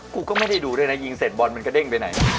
กูก็ไม่ได้ดูด้วยนะยิงเสร็จบอลมันกระเด้งไปไหน